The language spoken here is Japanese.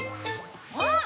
あっ！